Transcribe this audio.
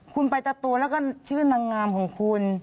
คุณไปตะตัวแล้วก็ชื่อนางงามของคุณ